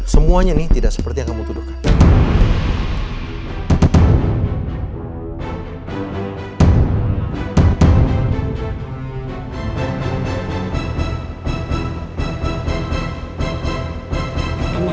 semuanya ini tidak seperti yang kamu tuduhkan